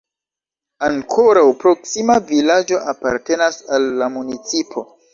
Ankoraŭ proksima vilaĝo apartenas al la municipo.